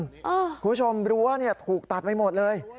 คุณผู้ชมรั้วถูกตัดไปหมดเลย